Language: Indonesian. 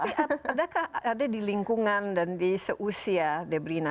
tapi adakah ada di lingkungan dan di seusia debrina